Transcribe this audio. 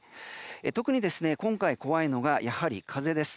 特に、今回怖いのが、やはり風です。